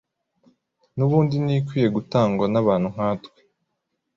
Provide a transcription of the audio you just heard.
n’ubundi niyo ikwiye gutangwa n’abantu nkatwe”